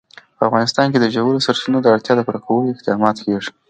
په افغانستان کې د ژورو سرچینو د اړتیاوو پوره کولو اقدامات کېږي.